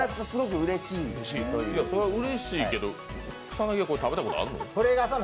うれしいですけど、草薙は食べたことあるの？